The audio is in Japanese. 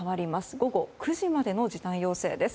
午後９時までの時短要請です。